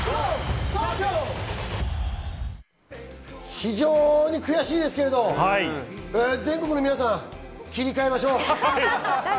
非常に悔しいですけれども、全国の皆さん、切り替えましょう。